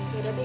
ya udah deh